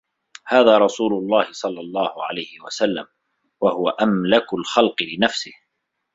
هَذَا رَسُولُ اللَّهِ صَلَّى اللَّهُ عَلَيْهِ وَسَلَّمَ وَهُوَ أَمْلَكُ الْخَلْقِ لِنَفْسِهِ